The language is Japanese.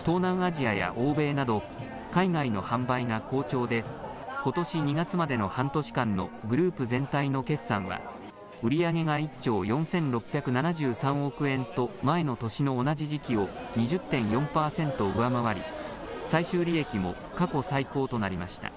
東南アジアや欧米など、海外の販売が好調で、ことし２月までの半年間のグループ全体の決算は、売り上げが１兆４６７３億円と、前の年の同じ時期を２０．４％上回り、最終利益も過去最高となりました。